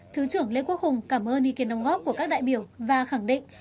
thứ trưởng lê quốc hùng cảm ơn ý kiến đồng góp của các đại biểu và khẳng định